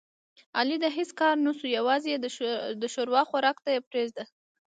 علي د هېڅ کار نشو یووازې د ښوروا خوراک ته یې پرېږده.